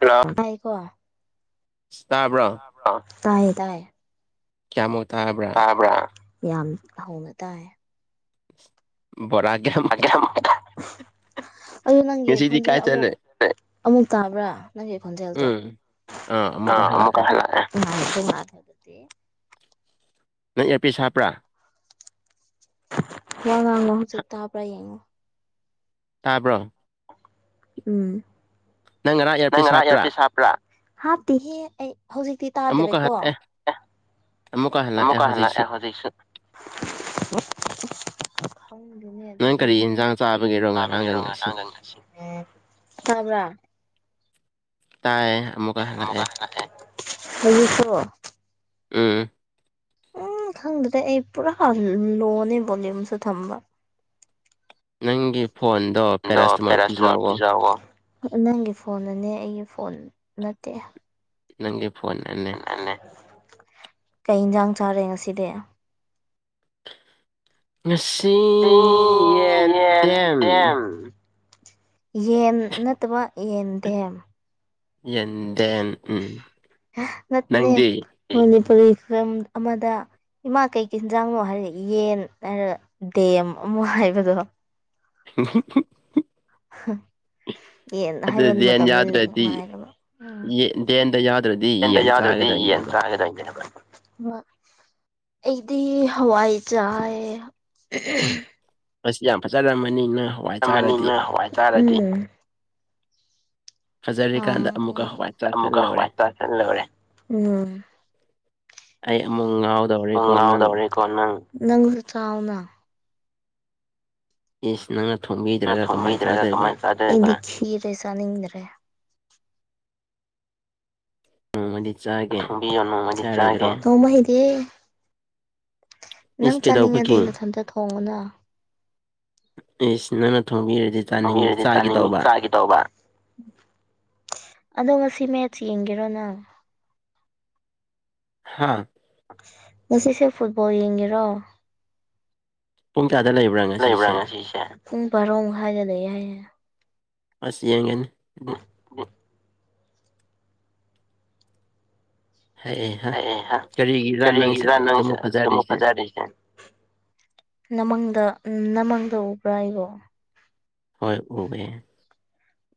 hello ꯇꯥꯏꯌꯦꯀꯣ ꯇꯥꯕ꯭ꯔꯥ ꯇꯥꯏꯌꯦ ꯇꯥꯏ ꯇꯥꯕ꯭ꯔꯥ ꯌꯥꯝ ꯍꯧꯅ ꯇꯥꯏ ꯕꯣꯔꯥ [unintelligible] ꯑꯗꯨ ꯅꯪꯒꯤ ꯈꯣꯟꯖꯦꯜ ꯑꯃꯨꯛ ꯑꯃꯨꯛ ꯇꯥꯕ꯭ꯔꯥ ꯅꯪꯒꯤ ꯈꯣꯟꯖꯦꯜꯗꯣ ꯑ ꯑꯃꯨꯛꯀ‌ ꯍꯜꯂꯛꯑꯦ ꯅꯪ ꯑꯦꯔꯄꯤꯁ ꯍꯥꯞꯄ꯭ꯔꯥ ꯋꯥ ꯉꯥꯡꯉꯣ ꯍꯧꯖꯤꯛ ꯇꯥꯕ꯭ꯔꯥ ꯌꯦꯡꯉꯣ ꯇꯥꯕ꯭ꯔꯣ ꯎꯝ ꯅꯪ ꯉꯔꯥꯡ ꯏꯌꯔꯃꯤꯁ ꯍꯥꯞꯄ꯭ꯔꯥ ꯍꯥꯞꯇꯦꯍꯦ ꯑꯩ ꯍꯧꯖꯤꯛꯇꯤ ꯑꯃꯨꯛꯀ ꯍꯥꯞꯄꯦꯑꯦ ꯑꯃꯨꯛꯀ ꯍꯜꯂꯛꯑꯦ ꯍꯧꯖꯤꯛꯁꯨ ꯈꯪꯗꯦꯅꯦ ꯑꯗꯨꯗꯤ [unintelligible] ꯇꯥꯕ꯭ꯔꯥ ꯇꯥꯌꯦ ꯑꯃꯨꯛꯀ ꯍꯜꯂꯛꯑꯦ ꯎꯝ ꯎꯝ ꯈꯪꯗ꯭ꯔꯦ ꯑꯩ ꯄꯨꯔꯥ ꯂꯣꯅꯦ ꯕꯣꯂ꯭ꯌꯨꯝꯁꯨ ꯊꯝꯕ ꯅꯪꯒꯤ ꯐꯣꯟꯗꯣ ꯗꯣ ꯄꯦꯔꯁꯤꯇꯃꯣꯜ ꯄꯤꯖꯑꯣ ꯅꯪꯒꯤ ꯐꯣꯟꯅꯅꯦ ꯑꯩꯒꯤ ꯐꯣꯟ ꯅꯠꯇꯦ ꯅꯪꯒꯤ ꯐꯣꯟꯅꯅꯦ ꯀꯩ ꯏꯟꯖꯥꯡ ꯆꯥꯔꯦ ꯉꯁꯤꯗꯤ ꯉꯁꯤ ꯌꯦꯟ ꯗꯦꯝ ꯌꯦꯟ ꯅꯠꯇꯕ ꯌꯦꯟꯗꯦꯝ ꯌꯦꯟꯗꯦꯟ ꯎꯝ ꯍꯥ ꯅꯠꯇꯦꯅꯦ ꯃꯅꯤꯄꯨꯔꯤ ꯐꯤꯂꯝ ꯑꯃꯥꯗ ꯏꯃꯥ ꯀꯩꯀꯩ ꯏꯟꯖꯥꯡꯂꯣ ꯍꯥꯏꯔꯒ ꯌꯦꯟ ꯍꯥꯏꯔꯒ ꯗꯦꯝ ꯑꯃꯨꯛ ꯍꯥꯏꯕꯗꯣ [unintelligible] [inaudible] ꯌꯦꯟ ꯍꯥꯏꯕ ꯃꯇꯝꯗꯗꯤ ꯅꯨꯡꯉꯥꯏ ꯗꯨꯒ ꯎꯝ [unintelligible] [unintelligible] ꯃꯥ ꯑꯩꯗꯤ ꯍꯋꯥꯏ ꯆꯥꯏꯌꯦ ꯌꯥꯝ ꯐꯖꯔꯝꯃꯅꯤ ꯅꯥ ꯑꯝꯃꯅꯤ ꯅꯣꯏ ꯍꯋꯥꯏ ꯆꯥꯔꯗꯤ [unintelligible] ꯑꯩ ꯑꯃꯨꯛ ꯉꯥꯎꯗꯧꯔꯦꯀꯣ ꯅꯪ ꯀꯣ ꯅꯪ ꯅꯪꯁꯨ ꯆꯥꯎꯅ ꯏꯁ ꯅꯪꯅ ꯊꯣꯡꯕꯤꯗ꯭ꯔꯒ ꯀꯃꯥꯏ ꯆꯥꯗꯣꯏꯕ ꯑꯩꯗꯤ ꯈꯤꯔꯦ ꯆꯥꯅꯤꯡꯗ꯭ꯔꯦ ꯉꯝꯃꯗꯤ ꯆꯥꯒꯦ ꯊꯣꯡꯕꯤꯌꯣ ꯅꯣꯡꯃꯗꯤ ꯆꯥꯒꯦ ꯊꯣꯡꯕ ꯍꯩꯇꯦꯍꯦ ꯅꯪ ꯆꯥꯅꯤꯡꯉꯗꯤ ꯅꯊꯟꯇ ꯊꯣꯡꯉꯨꯅ ꯏꯁ ꯅꯪꯅ ꯊꯣꯡꯕꯤꯔꯗꯤ ꯊꯣꯡꯕꯤꯔꯗꯤ ꯆꯥꯅꯤꯡꯉꯤ ꯆꯥꯒꯦ ꯇꯧꯕ ꯑꯗꯣ ꯉꯁꯤ ꯃꯦꯠꯁ ꯌꯦꯡꯒꯦꯔꯣ ꯅꯪ ꯍꯥꯥ ꯉꯁꯤꯁꯨ ꯐꯨꯠꯕꯣꯜ ꯌꯦꯡꯒꯦꯔꯣ ꯂꯩꯕ꯭ꯔꯥ ꯉꯁꯤꯁꯦ ꯄꯨꯡ ꯚꯥꯥꯔꯣꯃꯈꯥꯏꯗ ꯂꯩꯌꯦ ꯍꯥꯏꯌꯦ ꯑꯁ ꯌꯦꯡꯒꯅꯤ ꯗꯨꯗꯤ ꯑꯩꯍꯥ ꯀꯔꯤꯒꯤꯔꯥ ꯅꯪꯁꯦ ꯇꯨꯝꯃ ꯐꯖꯥꯗꯤꯁꯦ ꯅꯃꯪꯗ ꯅꯃꯪꯗ ꯎꯕ꯭ꯔꯥ ꯑꯩꯕꯣ ꯍꯣꯏ ꯎꯕꯦ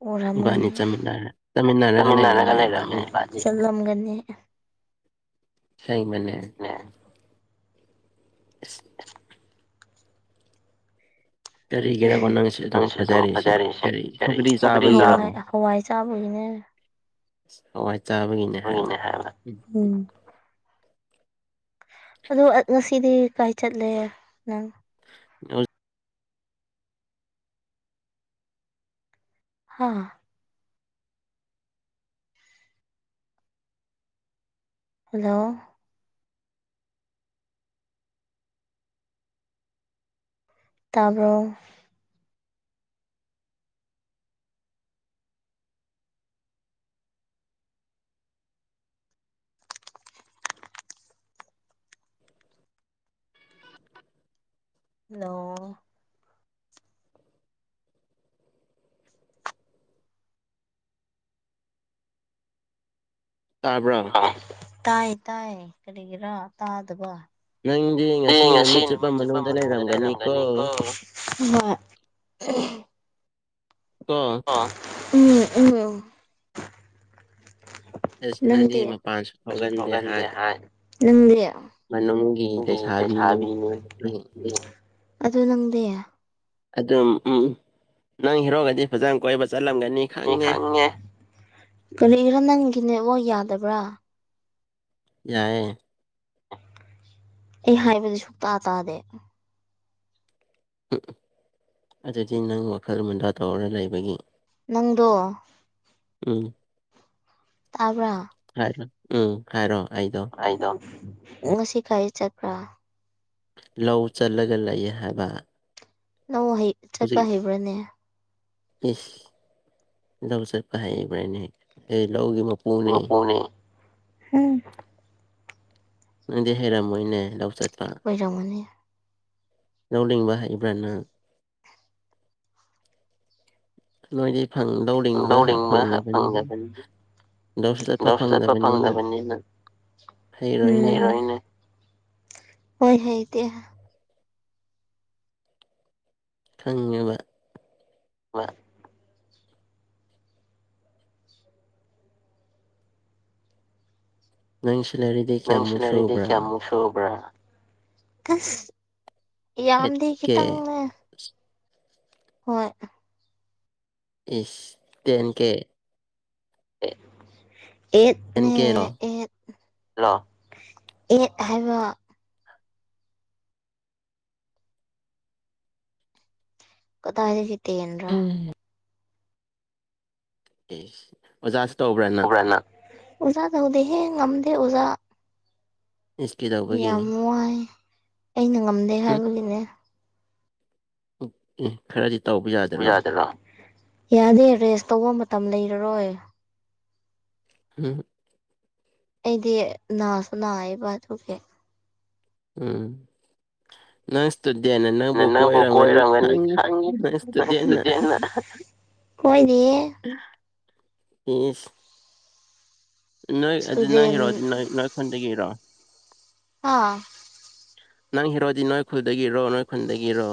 ꯎꯔꯝꯒꯅꯤ [inaudible] [unintelligible] ꯁꯦꯡꯕꯅꯦ ꯏꯁ ꯀꯔꯤꯒꯤꯔꯕ ꯅꯪꯁꯦ ꯑꯗꯨꯝ ꯐꯖꯔꯤꯁꯦ ꯀꯔꯤ ꯁꯧꯒ꯭ꯔꯤ ꯆꯥꯕꯒꯤꯔꯣ ꯍꯋꯥꯏ ꯆꯥꯕꯒꯤꯅꯤ ꯕꯒꯤꯅꯦ ꯍꯥꯏꯕ ꯎꯝ ꯑꯗꯨ ꯉꯁꯤꯗꯤ ꯀꯥꯏ ꯆꯠꯂꯦ ꯅꯪ [unintelligible] ꯍꯥꯥ ꯍꯜꯂꯣ ꯇꯥꯕ꯭ꯔꯣ ꯍꯜꯂꯣ ꯇꯥꯕ꯭ꯔꯥ ꯇꯥꯥꯏ ꯇꯥꯏ ꯀꯔꯤꯒꯤꯔꯥ ꯇꯥꯗꯕ ꯅꯪꯗꯤ ꯉꯁꯤ ꯅꯨꯃꯤꯠ ꯆꯨꯞꯄ ꯃꯅꯨꯡꯗ ꯂꯩꯔꯝꯒꯅꯤꯀꯣ [unintelligible] ꯀꯣ ꯎꯝ ꯎꯝ ꯅꯪꯗꯤ [unintelligible] ꯅꯪꯗꯤ [unintelligible] ꯂꯩꯁꯥꯕꯤꯅꯤ ꯑꯗꯨ ꯅꯪꯗꯤ ꯑꯗꯨꯝ ꯅꯪ ꯍꯤꯔꯣꯒꯗꯤ ꯐꯖꯅ ꯀꯣꯏꯕ ꯆꯠꯂꯝꯒꯅꯤ ꯈꯪꯉꯦ ꯀꯔꯤꯔꯥ ꯅꯪꯒꯤ ꯅꯦꯋꯥꯛ ꯌꯥꯗꯕ꯭ꯔꯥ ꯌꯥꯏꯌꯦ ꯑꯩ ꯍꯥꯏꯕꯗꯤ ꯁꯨꯛꯇꯥ ꯇꯥꯗꯦ ꯑꯗꯨꯗꯤ ꯅꯪ ꯋꯥꯈꯜ ꯃꯨꯟꯗꯥ ꯇꯧꯔ ꯂꯩꯕꯒꯤ ꯅꯪꯗꯣ ꯎꯝ ꯇꯥꯕ꯭ꯔꯥ ꯍꯥꯏ ꯎꯝ ꯍꯥꯏꯔꯣ ꯑꯩꯗꯣ ꯑꯩꯗꯣ ꯉꯁꯤ ꯀꯥꯏ ꯆꯠꯄ꯭ꯔꯥ ꯂꯧ ꯆꯠꯂꯒ ꯂꯩꯌꯦ ꯍꯥꯏꯕ ꯂꯧ ꯍꯩ ꯆꯠꯄ ꯍꯩꯕ꯭ꯔꯥꯅꯦ ꯏꯁ ꯂꯧ ꯆꯠꯄ ꯍꯥꯏꯕ꯭ꯔꯥꯅꯦ ꯑꯩ ꯂꯧꯁꯤꯕꯨ [unintelligible] ꯎꯝ ꯅꯪꯗꯤ ꯍꯩꯔꯝꯃꯣꯏꯅꯦ ꯂꯧ ꯆꯠꯄ ꯑꯣꯏꯔꯝꯒꯅꯤ ꯂꯧ ꯂꯤꯡꯕ ꯍꯩꯕ꯭ꯔꯥ ꯅꯪ ꯅꯣꯏꯗꯤ ꯐꯪ ꯂꯧ ꯂꯤꯡꯕ ꯐꯪꯗꯒꯅꯤ [unintelligible] ꯂꯧꯁꯨ ꯆꯠꯄ ꯐꯪꯗꯕꯅꯤꯅ ꯍꯩꯔꯣꯏꯅꯦ ꯍꯣꯏ ꯍꯩꯇꯦ ꯈꯪꯉꯦꯕ [unintelligible] ꯕꯥ ꯅꯪ ꯁꯨ ꯂꯩꯔꯗꯤ ꯅꯪꯁꯨ ꯂꯩꯔꯗꯤ ꯀꯌꯥꯃꯨꯛ ꯁꯨꯕ꯭ꯔꯥ ꯑꯁ ꯌꯥꯝꯗꯦ ꯈꯤꯇꯪꯅꯦ ꯍꯣꯏ ꯏꯁ ꯇꯦꯟ ꯀꯦ ꯑꯦꯠꯅꯦ ꯑꯦꯠ ꯂꯣ ꯑꯦꯠ ꯍꯥꯏꯕ ꯀꯗꯥꯏꯗꯒꯤ ꯇꯦꯟꯔꯥ ꯑꯦꯁ ꯑꯣꯖꯁꯨ ꯇꯧꯕꯔꯥ ꯅꯪ [unintelligible] ꯑꯣꯖꯥ ꯇꯧꯗꯦꯍꯦ ꯉꯝꯗꯦ ꯑꯣꯖꯥ ꯌꯥꯝ ꯋꯥꯏ ꯑꯩꯅ ꯉꯝꯗꯦ ꯍꯥꯏꯕꯒꯤꯅꯦ ꯑꯣꯀꯦ ꯈꯔꯗꯤ ꯇꯧꯕ ꯌꯥꯗꯔꯣ ꯌꯥꯗꯦ ꯔꯦꯁ ꯇꯧꯕ ꯃꯇꯝ ꯂꯩꯔꯔꯣꯏ ꯎꯝ ꯑꯩꯗꯤ ꯅꯥꯁꯨ ꯅꯥꯢꯕ ꯑꯗꯨꯒꯤ ꯎꯝ ꯅꯪ ꯁ꯭ꯇꯨꯗꯦꯟꯅ ꯅꯪꯕꯨ ꯀꯣꯏꯔꯝꯒꯅꯤ ꯈꯪꯉꯤ ꯅꯪ ꯁ꯭ꯇꯨꯗꯦꯟꯅ ꯀꯣꯢꯗꯤꯌꯦ ꯏꯁ ꯅꯣꯏ ꯑꯗꯨ ꯅꯪꯒꯤꯔꯣ ꯅꯣꯏ ꯅꯣꯏ ꯈꯨꯟꯗꯒꯤꯔꯣ ꯑꯥ ꯅꯪ ꯍꯦꯔꯣꯗꯤ ꯅꯣꯏ ꯈꯨꯜꯗꯒꯤꯔꯣ ꯅꯣꯏ ꯈꯨꯟꯗꯒꯤꯔꯣ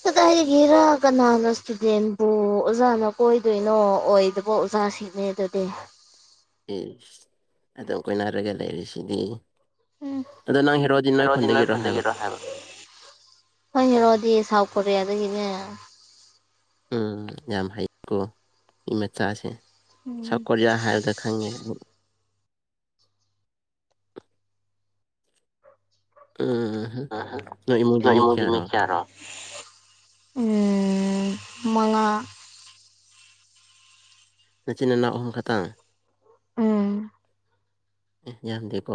ꯆꯠꯊꯍꯩꯒꯤꯔ ꯀꯅꯥꯅ ꯁ꯭ꯇꯨꯗꯦꯟꯕꯨ ꯑꯣꯖꯥꯅ ꯀꯣꯏꯗꯣꯏꯅꯣ ꯑꯣꯏꯗꯕ ꯑꯣꯖꯥꯁꯤꯡ ꯅꯦ ꯑꯗꯨꯗꯤ ꯏꯁ ꯑꯗꯨꯝ ꯀꯣꯏꯅꯔꯒ ꯂꯩꯔꯁꯤꯗꯤ ꯑꯗꯣ ꯅꯪ ꯍꯦꯔꯣꯗꯤ ꯅꯣꯢ ꯈꯨꯟꯗꯒꯤꯔꯣ ꯍꯥꯏꯕ ꯍꯥꯏꯕ ꯑꯩꯈꯣꯏ ꯍꯦꯔꯣꯗꯤ ꯁꯥꯎꯠ ꯀꯣꯔꯤꯌꯥꯗꯒꯤꯅꯦ ꯎꯝ ꯌꯥꯝ ꯍꯩꯀꯣ ꯃꯤ ꯃꯆꯥꯁꯦ ꯁꯥꯎꯠ ꯀꯣꯔꯤꯌꯥ ꯍꯥꯢꯔꯒ ꯈꯪꯉꯦꯅꯦ [unintelligible] ꯎꯝ ꯑꯥꯍꯪ ꯅꯣꯢ ꯏꯃꯨꯡꯗꯤ ꯃꯤ ꯀꯌꯥꯔꯣ ꯎꯝ ꯃꯉꯥ ꯅꯆꯤꯟ ꯅꯅꯥꯎ ꯑꯍꯨꯝ ꯈꯇꯪ ꯎꯝ ꯌꯥꯝꯗꯦꯀꯣ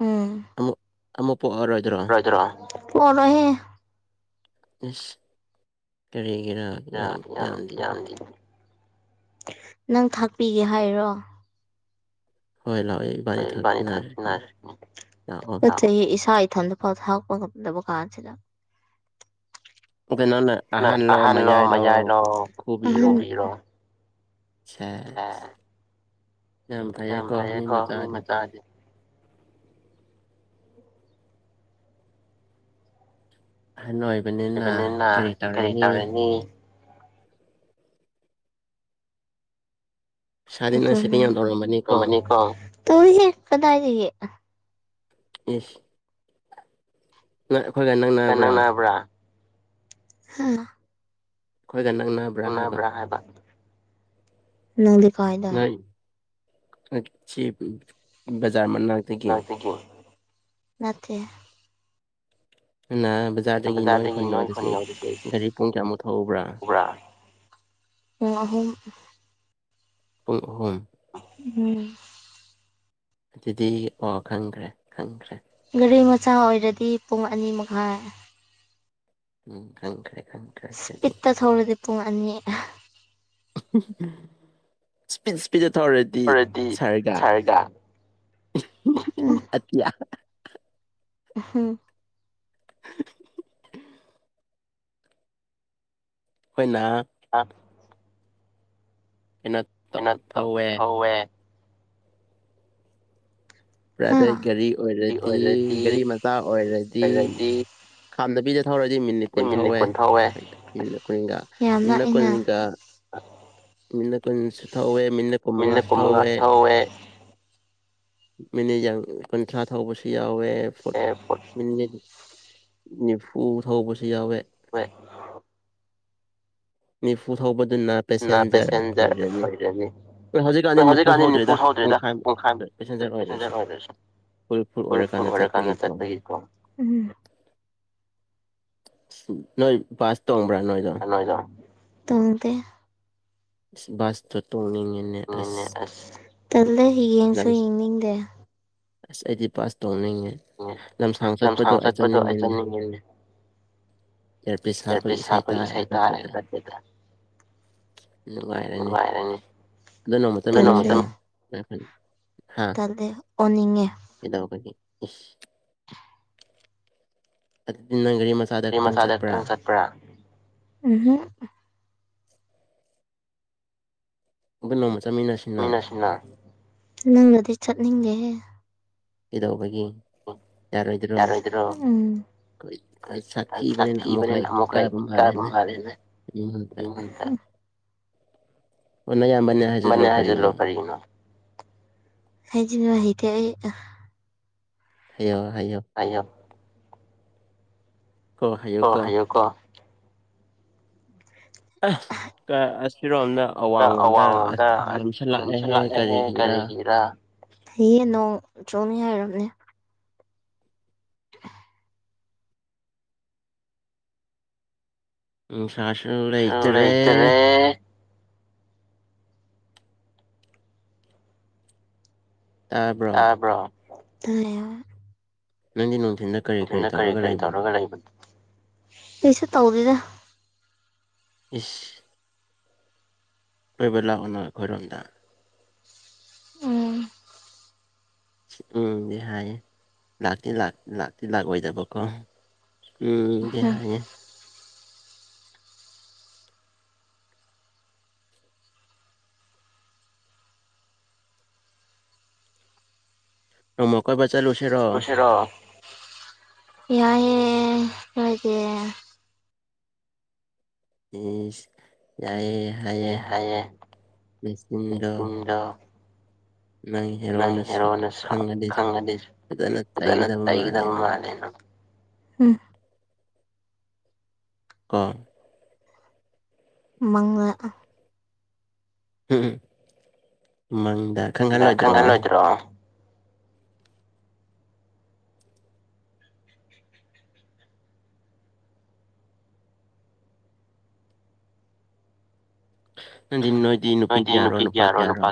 ꯎꯝ ꯑꯃꯨꯛ ꯑꯃꯨꯛ ꯄꯣꯛꯑꯥꯔꯣꯏꯗ꯭ꯔꯣ ꯗ꯭ꯔꯣ ꯄꯣꯛꯑꯥꯔꯣꯢꯍꯦ ꯏꯁ ꯀꯔꯤꯒꯤꯔꯥ ꯌꯥ ꯌꯥꯝ ꯌꯥꯝꯗꯤ ꯅꯪ ꯊꯥꯛꯄꯤꯒꯦ ꯍꯥꯏꯔꯣ ꯍꯣꯏ ꯂꯥꯛꯑꯣꯌꯦ ꯍꯣꯎ ꯏꯕꯥꯟꯅꯤ ꯊꯛꯃꯤꯟꯅꯔꯁꯤꯅꯦ [unintelligible] ꯑꯩ ꯏꯁꯥ ꯏꯊꯟꯗ ꯐꯥꯎ ꯊꯥꯛꯄ ꯉꯝꯗꯕ ꯀꯥꯥꯟꯁꯤꯗ ꯅꯪ ꯑꯍꯥꯟꯂꯣ ꯃꯌꯥꯏꯂꯣ ꯑꯍꯟ ꯑꯇꯣꯝꯕꯤꯔꯣ ꯁꯦꯁ ꯌꯥꯝ ꯐꯩꯌꯦꯀꯣ ꯃꯤ ꯃꯆꯥꯗꯤ ꯑꯍꯟ ꯑꯣꯏꯕꯅꯤꯅ ꯀꯔꯤ ꯇꯧꯔꯅꯤ ꯑꯗꯨꯅꯦ ꯇꯧꯔꯝꯃꯅꯤꯀꯣ ꯇꯧꯗꯦꯍꯦ ꯀꯗꯥꯢꯗꯒꯤ ꯏꯁ ꯅꯪ ꯑꯈꯣꯏꯒ ꯅꯛꯅ ꯅꯛꯅꯕ꯭ꯔꯥ ꯍꯥ ꯑꯩꯈꯣꯏ ꯅꯛꯅ ꯅꯛꯅꯕ꯭ꯔꯥ ꯍꯥꯏꯕ ꯅꯪꯗꯤ ꯀꯥꯏꯗ ꯑꯥ ꯆꯦꯞ ꯕꯖꯥꯔ ꯃꯅꯥꯛ ꯅꯥꯛꯇꯒꯤ ꯅꯠꯇꯦ ꯅꯪꯅ ꯕꯖꯥꯔꯗꯒꯤ ꯅꯣꯏꯈꯣꯟ ꯌꯧꯗꯣꯏꯁꯦ ꯒꯥꯔꯤ ꯄꯨꯡ ꯀꯌꯥꯃꯨꯛ ꯊꯧꯕ꯭ꯔꯥ ꯄꯨꯡ ꯑꯍꯨꯝ ꯄꯨꯡ ꯑꯍꯨꯝ ꯎꯝ ꯑꯗꯨꯗꯤ ꯑꯣ ꯈꯪꯈ꯭ꯔꯦ ꯈꯪꯈ꯭ꯔꯦ ꯒꯥꯔꯤ ꯃꯆꯥ ꯑꯣꯏꯔꯗꯤ ꯄꯨꯡ ꯑꯅꯤ ꯃꯈꯥꯏ ꯎꯝ ꯈꯪꯈ꯭ꯔꯦ ꯈꯪ ꯁ꯭ꯄꯤꯠꯇ ꯊꯧꯔꯗꯤ ꯄꯨꯡ ꯑꯅꯤ ꯁ꯭ꯄꯤꯠ ꯁ꯭ꯄꯤꯠꯇ ꯊꯧꯔꯗꯤ ꯁꯔꯒ ꯑꯇꯤꯌꯥ ꯎꯍꯨꯝ [unintelligible] ꯈꯣꯢꯅ ꯑꯥ ꯏꯅꯥꯠ ꯏꯅꯠ ꯇ ꯊꯧꯋꯦ ꯄ꯭ꯔꯥꯗꯩ ꯒꯥꯔꯤ ꯑꯢꯔꯗꯤ ꯒꯥꯔꯤ ꯃꯆꯥ ꯑꯣꯏꯔꯗꯤ ꯈꯥꯝꯗꯕꯤꯗ ꯊꯧꯔꯗꯤ ꯃꯤꯅꯤꯠ ꯀꯨꯟ ꯊꯧꯋꯦ ꯃꯤꯅꯤꯠ ꯀꯨꯟꯒ ꯃꯤꯅꯤꯠ ꯀꯨꯟꯒ ꯃꯤꯅꯠ ꯀꯨꯟꯁꯨ ꯊꯧꯋꯦ ꯃꯤꯅꯠ ꯀꯨꯟ ꯃꯉꯥꯁꯨ ꯊꯧꯋꯦ ꯃꯤꯅꯤꯠ ꯌꯥꯡ ꯀꯨꯟꯊ꯭ꯔꯥ ꯊꯧꯕꯁꯨ ꯌꯥꯎꯋꯦ ꯐꯣꯔ ꯃꯤꯅꯤꯠ ꯅꯤꯐꯨ ꯊꯧꯕꯁꯨ ꯌꯥꯎꯋꯦ ꯍꯣꯢ ꯅꯤꯐꯨ ꯊꯧꯕꯗꯨꯅ ꯄꯦꯁꯦꯟꯖꯔ ꯑꯣꯏꯔꯅꯤ ꯍꯣꯢ ꯍꯧꯖꯤꯛꯀꯥꯟꯗꯤ ꯅꯤꯐꯨ ꯊꯧꯗ꯭ꯔꯦꯗ ꯄꯨꯡꯈꯥꯏꯃꯨꯛ ꯄꯦꯁꯦꯟꯖꯔ ꯑꯣꯏꯔꯦ ꯑꯗꯨꯁꯨ ꯐꯨꯨꯜ ꯐꯨꯨꯜ ꯑꯣꯏꯔꯀꯥꯟꯗ ꯆꯠꯄꯒꯤꯀꯣ ꯅꯣꯢ ꯄꯥꯁ ꯇꯣꯡꯕ꯭ꯔꯥ ꯅꯣꯢꯗꯣ ꯅꯣꯢꯗꯣ ꯇꯣꯡꯗꯦ ꯏꯁ ꯕꯁꯇꯨ ꯇꯣꯡꯅꯤꯡꯉꯤꯅꯦ ꯉꯤꯅꯦ ꯑꯁ ꯇꯜꯂꯦ ꯌꯦꯡꯁꯨ ꯌꯦꯡꯅꯤꯡꯗꯦ ꯑꯁ ꯑꯩꯗꯤ ꯕꯁ ꯇꯣꯡꯅꯤꯡꯉꯦ ꯂꯝꯁꯥꯡ ꯆꯠꯄꯗꯣ ꯑꯩ ꯆꯠꯅꯤꯡꯉꯤꯅꯦ ꯏꯌꯥꯔꯄꯤꯁ ꯍꯥꯞꯄꯒꯥ ꯏꯁꯩ ꯇꯥꯔꯒ ꯆꯠꯄꯗꯣ ꯅꯨꯡꯉꯥꯢꯔꯅꯤ ꯑꯗꯨ ꯅꯣꯡꯃ ꯆꯠꯃꯤꯟꯅꯁꯤꯔꯣ ꯅꯥꯐꯟ ꯍꯥ ꯑꯗꯨꯗꯦ ꯑꯣꯅꯤꯡꯉꯦ ꯀꯩꯗꯧꯒꯅꯤ ꯏꯁ ꯑꯗꯨꯗꯤ ꯅꯪ ꯒꯥꯔꯤ ꯃꯆ ꯒꯔꯤ ꯃꯆꯥꯗ ꯈꯛꯇꯪ ꯆꯠꯄ꯭ꯔꯥ ꯎꯝꯍꯨꯝ ꯑꯈꯣꯏ ꯅꯣꯡꯃ ꯆꯠꯃꯤꯟꯅꯁꯤ ꯃꯤꯅꯁꯤꯅꯥ ꯅꯪꯒꯗꯤ ꯆꯠꯅꯤꯡꯗꯦꯍꯦ ꯀꯩꯗꯧꯕꯒꯤ ꯌꯥꯔꯣꯢꯗ꯭ꯔꯣ ꯎꯝ ꯑꯈꯣꯢ ꯇ ꯇꯥꯊꯤꯕꯅꯤꯅ ꯑꯃꯨꯛꯀ ꯏꯀꯥꯢꯕ ꯃꯥꯂꯦꯅ ꯌꯨꯝ ꯍꯟꯕ ꯑꯣ ꯅꯌꯥꯝꯕꯅꯦ ꯃꯅꯦ ꯍꯥꯢꯖꯜꯂꯣ ꯀꯔꯤꯒꯤꯅꯣ ꯍꯥꯢꯖꯤꯟꯕ ꯍꯩꯇꯦ ꯑꯩ ꯍꯩꯌꯣ ꯍꯩꯌꯣ ꯍꯩꯌꯣ ꯀꯣ ꯍꯥꯢꯌꯨꯀꯣ ꯑꯥ ꯀꯥ ꯑꯁꯤꯔꯣꯟꯗ ꯇ ꯑꯋꯥꯡꯂꯣꯝꯗ ꯃꯝꯁꯤꯂꯥꯛꯂꯦꯍꯦ ꯀꯔꯤꯒꯤꯔꯥ ꯊꯩꯌꯦ ꯅꯣꯡ ꯆꯣꯡꯅꯤ ꯍꯥꯏꯔꯝꯅꯦ ꯅꯨꯡꯁꯥꯥꯁꯨ ꯂꯩꯇꯔꯦ ꯇꯥꯕ꯭ꯔꯣ ꯇꯥꯢ ꯍꯥꯢꯕ ꯅꯪꯗꯤ ꯅꯨꯡꯊꯤꯟꯗ ꯅꯨꯡꯊꯤꯟꯗ ꯀꯔꯤ ꯀꯔꯤ ꯇꯧꯔꯒ ꯂꯩꯕꯅꯣ ꯀꯩꯁꯨ ꯇꯧꯗꯦꯗ ꯏꯁ ꯀꯣꯏꯕ ꯂꯥꯛꯑꯣꯅ ꯑꯩꯈꯣꯏꯔꯣꯝꯗ ꯎꯝ ꯎꯪꯗꯤ ꯍꯥꯏꯌꯦ ꯂꯥꯛꯇꯤ ꯂꯥꯛ ꯂꯥꯛꯇꯤ ꯂꯥꯛꯑꯣꯏꯗꯕꯀꯣ ꯎꯡ ꯗꯤ ꯍꯥꯏꯌꯦ ꯅꯣꯡꯃ ꯀꯣꯏꯕ ꯆꯠꯂꯨꯁꯦ ꯇꯧꯁꯤꯔꯣ ꯌꯥꯏꯌꯦ ꯅꯣꯏꯗꯤ ꯏꯁ ꯌꯥꯏꯌꯦ ꯑꯦ ꯍꯥꯏꯌꯦ [unintelligible] ꯅꯪ ꯍꯦꯔꯣꯅ ꯁꯥꯎ ꯈꯪꯉꯗꯤ ꯐꯖꯅ ꯆꯩꯒꯗꯕ ꯃꯥꯜꯂꯦ ꯅꯪ ꯎꯝ ꯀꯣ ꯃꯡꯂꯥ ꯑꯥ ꯍꯨꯝ ꯍꯨꯝ ꯃꯡꯗ ꯗꯥ ꯈꯡꯍꯜ ꯂꯣꯏꯗ꯭ꯔꯣ ꯅꯪꯗꯤ ꯅꯣꯏꯗꯤ ꯅꯨꯄꯤ ꯀꯌꯥꯔꯣ ꯅꯨꯄꯥ ꯀꯌꯥꯔꯣ